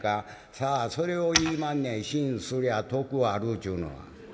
「さあそれを言いまんねん『信すりゃ得ある』ちゅうのは。